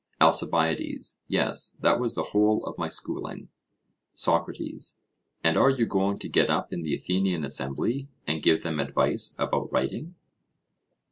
ALCIBIADES: Yes, that was the whole of my schooling. SOCRATES: And are you going to get up in the Athenian assembly, and give them advice about writing?